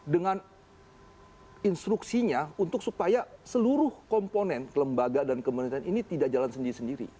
dengan instruksinya untuk supaya seluruh komponen lembaga dan kementerian ini tidak jalan sendiri sendiri